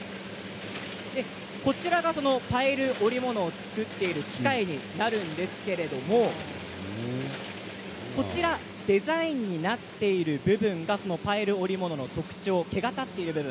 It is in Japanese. こちらがパイル織物を作っている機械になるんですけれどもデザインになっている部分がパイル織物の特徴毛が立っている部分